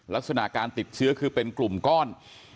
ลักษณะการติดเชื้อคือเป็นกลุ่มก้อน